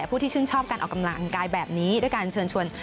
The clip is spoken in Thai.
ผู้ที่ชื่นชอบการออกกำลังกายแบบนี้ด้วยการเชิญชวน